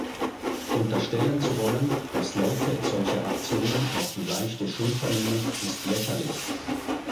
Unterstellen zu wollen, dass Leute solche Aktionen auf die leichte Schulter nehmen, ist lächerlich.